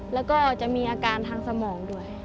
แล้วก็จะมีอาการทางสมองด้วย